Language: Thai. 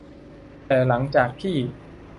แต่หลังจากที่